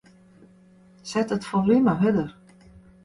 Set it folume hurder.